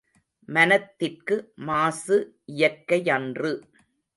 மனத்திற்கு மாசு இயற்கையன்று.